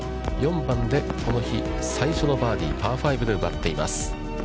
４番でこの日最初のバーディー、パー５で奪っています。